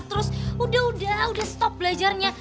terus udah udah stop belajarnya